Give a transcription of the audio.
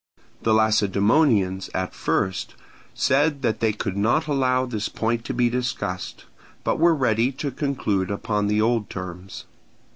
The Lacedaemonians at first said that they could not allow this point to be discussed, but were ready to conclude upon the old terms.